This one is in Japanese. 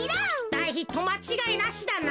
だいヒットまちがいなしだな。